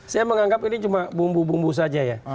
saya menganggap ini cuma bumbu bumbu saja ya